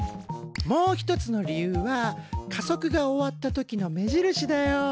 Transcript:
もう一つの理由は加速が終わった時の目印だよ。